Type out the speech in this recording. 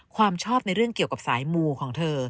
ความชอบในเรื่องเกี่ยวกับสายมูของเธอ